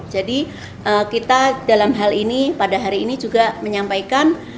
jadi kita dalam hal ini pada hari ini juga menyampaikan